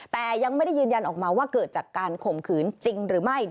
แต่ยังไม่ได้ยืนยันออกมาว่าเกิดจากการข่มขืนจริงหรือไม่